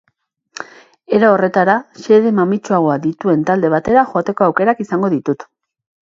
Era horretara, xede mamitsuagoak dituen talde batera joateko aukerak izango ditut.